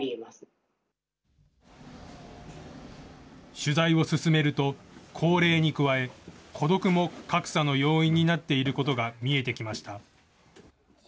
取材を進めると、高齢に加え、孤独も格差の要因になっていることが見えてきました。